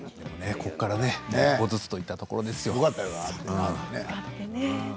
ここから少しずつといったところでしょうね。